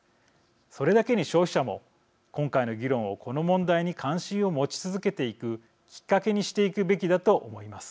それだけに消費者も今回の議論をこの問題に関心を持ち続けていくきっかけにしていくべきだと思います。